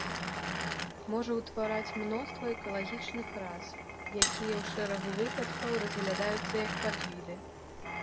Можа ўтвараць мноства экалагічных рас, якія ў шэрагу выпадкаў разглядаюцца як падвіды.